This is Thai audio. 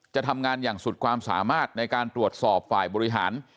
จะทำงานอย่างสุดความสามารถในการตรวจสอบฝ่ายบริหาร